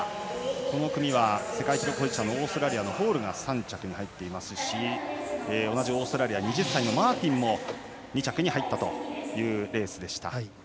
この組にはオーストラリアのホールが３着に入っていますし同じオーストラリア２０歳のマーティンも２着に入ったというレース。